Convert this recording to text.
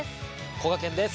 こがけんです。